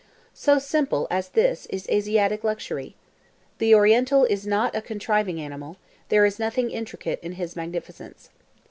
So simple as this is Asiatic luxury! The Oriental is not a contriving animal; there is nothing intricate in his magnificence.